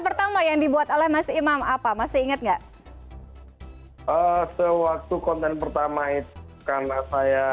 pertama yang dibuat oleh mas imam apa masih ingat nggak sewaktu konten pertama itu karena saya